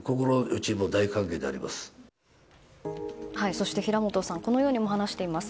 そして平本さんはこのようにも話しています。